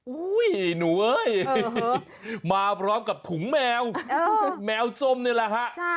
หนูเอ้ยมาพร้อมกับถุงแมวแมวส้มนี่แหละฮะ